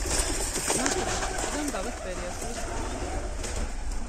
მნათობის ქუჩიდან დავით ბერიაშვილის ქუჩამდე.